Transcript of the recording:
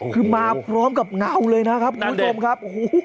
คือมาพร้อมกับเงาเลยนะครับคุณผู้ชมครับ